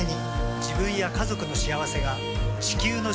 自分や家族の幸せが地球の幸せにつながっている。